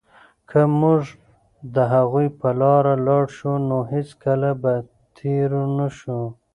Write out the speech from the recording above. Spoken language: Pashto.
که موږ د هغوی په لاره لاړ شو، نو هېڅکله به تېرو نه شو.